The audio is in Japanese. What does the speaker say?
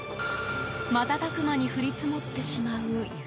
瞬く間に降り積もってしまう雪。